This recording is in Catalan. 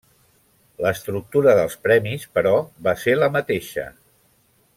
L'estructura dels premis, però, va ser la mateixa.